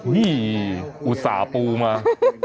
อุตส่าห์ปูมา